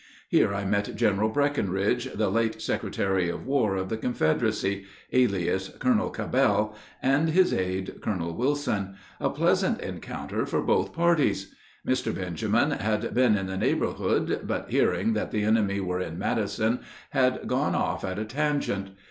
Here I met General Breckinridge, the late secretary of war of the Confederacy, alias Colonel Cabell, and his aide, Colonel Wilson, a pleasant encounter for both parties. Mr. Benjamin had been in the neighborhood, but, hearing that the enemy were in Madison, had gone off at a tangent.